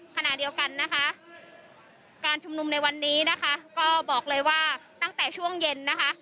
ขณะเดียวกันนะคะการชุมนุมในวันนี้นะคะก็บอกเลยว่าตั้งแต่ช่วงเย็นนะคะ